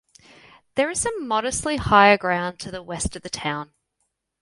There is some modestly higher ground to the west of the town.